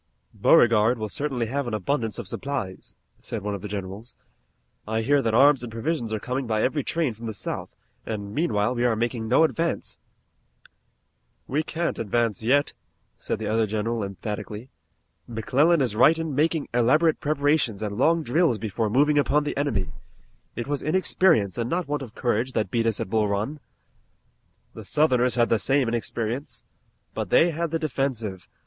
"Beauregard will certainly have an abundance of supplies," said one of the generals. "I hear that arms and provisions are coming by every train from the South, and meanwhile we are making no advance." "We can't advance yet," said the other general emphatically. "McClellan is right in making elaborate preparations and long drills before moving upon the enemy. It was inexperience, and not want of courage, that beat us at Bull Run." "The Southerners had the same inexperience." "But they had the defensive.